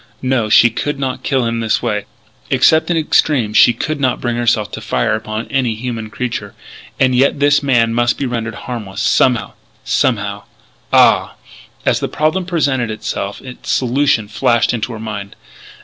No, she could not kill him this way. Except in extremes she could not bring herself to fire upon any human creature. And yet this man must be rendered harmless somehow somehow ah! As the problem presented itself its solution flashed into her mind.